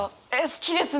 好きですね！